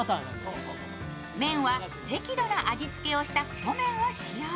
麺は適度な味付けをした太麺を使用。